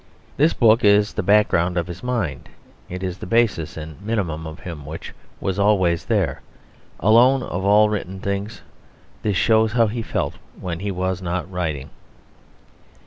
This book is the background of his mind. It is the basis and minimum of him which was always there. Alone, of all written things, this shows how he felt when he was not writing.